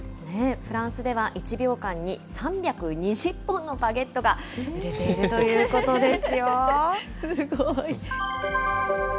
フランスでは１秒間に３２０本のバゲットが売れているというすごい。